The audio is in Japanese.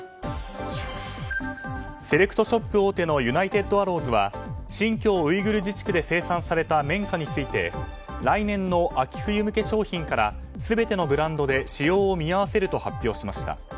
セレクトショップ大手のユナイテッドアローズは新疆ウイグル自治区で生産された綿花について来年の秋冬向け商品から全てのブランドで使用を見合わせると発表しました。